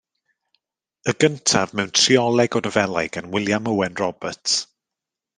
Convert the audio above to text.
Y gyntaf mewn trioleg o nofelau gan Wiliam Owen Roberts.